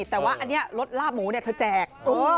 แต่ว่าอันนี้รถลาบหมูเนี่ยเธอแจก